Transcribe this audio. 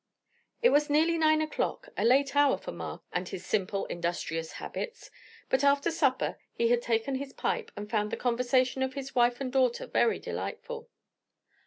It was nearly nine o'clock; a late hour for Mark and his simple industrious habits; but after supper he had taken his pipe and found the conversation of his wife and daughter very delightful.